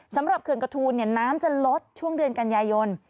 เขื่อนกระทูลน้ำจะลดช่วงเดือนกันยายน